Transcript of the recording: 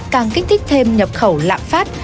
càng kích thích thêm nhập khẩu lạng phát